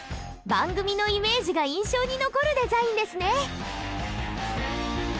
番組のイメージが印象に残るデザインですね。